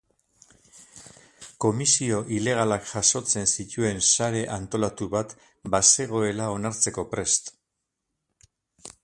Komisio ilegalak jasotzen zituen sare antolatu bat bazegoela onartzeko prest.